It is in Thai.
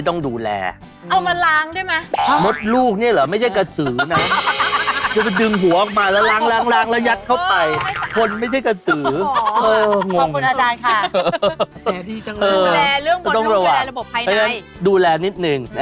ต้องดูแลนิดนึง